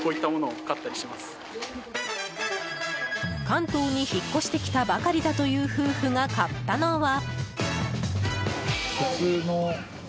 関東に引っ越してきたばかりだという夫婦が買ったのは。